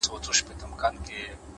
د زړه قوت د ستونزو نه لوی وي؛